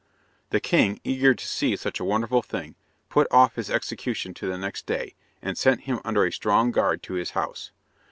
The king, eager to see such a wonderful thing, put off his execution to the next day, and sent him under a strong guard to his house.